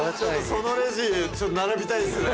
そのレジ並びたいっすね。